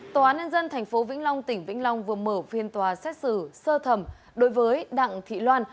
tòa án nhân dân tp vĩnh long tỉnh vĩnh long vừa mở phiên tòa xét xử sơ thẩm đối với đặng thị loan